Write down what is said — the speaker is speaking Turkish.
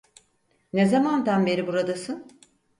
Ne zamandan beri buradasın?